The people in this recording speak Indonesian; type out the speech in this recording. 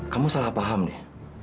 kamu salah paham deh